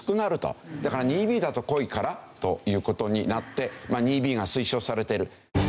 だから２Ｂだと濃いからという事になって２Ｂが推奨されている。